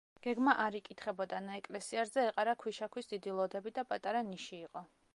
გეგმა არ იკითხებოდა, ნაეკლესიარზე ეყარა ქვიშაქვის დიდი ლოდები და პატარა ნიში იყო.